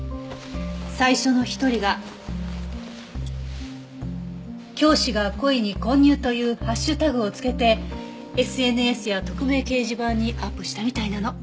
最初の一人が「教師が故意に混入」というハッシュタグをつけてＳＮＳや匿名掲示板にアップしたみたいなの。